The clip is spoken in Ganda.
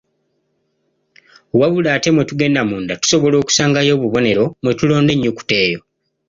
Wabula ate mu tugenda munda tusobola okusangayo obubonero mwe tulonda ennyukuta eyo.